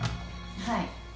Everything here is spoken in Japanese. はい。